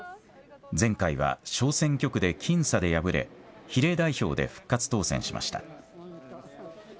前回は小選挙区で僅差で敗れ比例代表で復活当選しました。